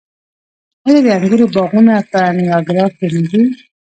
آیا د انګورو باغونه په نیاګرا کې نه دي؟